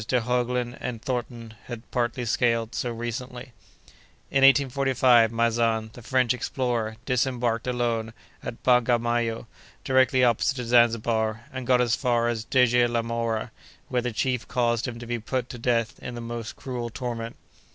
de Heuglin and Thornton have partly scaled so recently. In 1845, Maizan, the French explorer, disembarked, alone, at Bagamayo, directly opposite to Zanzibar, and got as far as Deje la Mhora, where the chief caused him to be put to death in the most cruel torment.